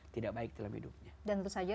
tidak baik dalam hidupnya dan tentu saja